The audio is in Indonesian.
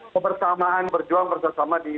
kebersamaan berjuang bersosok sosok